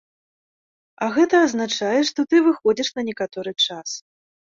А гэта азначае, што ты выходзіш на некаторы час.